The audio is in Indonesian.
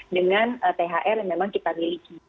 dan thr yang memang kita miliki